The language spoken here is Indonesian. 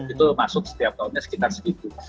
itu masuk setiap tahunnya sekitar segitu